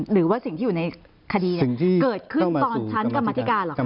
หรือว่าสิ่งที่อยู่ในคดีเกิดขึ้นตอนชั้นกรรมธิการเหรอคะ